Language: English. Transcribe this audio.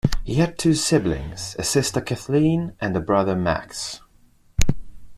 He had two siblings, a sister Kathleen and a brother Max.